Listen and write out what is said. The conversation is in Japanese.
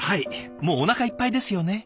もうおなかいっぱいですよね。